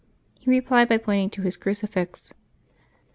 He replied by pointing to his crucifix.